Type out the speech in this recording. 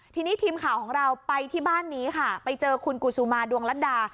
ทีนี้ทีมข่าวของเราไปที่บ้านนี้ค่ะไปเจอคุณกุศุมาดวงรัฐดา